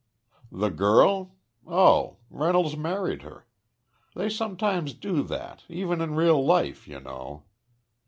"The girl? Oh, Reynolds married her. They sometimes do that, even in real life, you know.